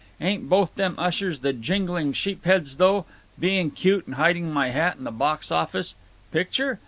Ain't both them ushers the jingling sheepsheads, though! Being cute and hiding my hat in the box office. _Picture?